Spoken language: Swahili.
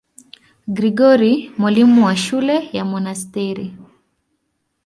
Gregori, mwalimu wa shule ya monasteri.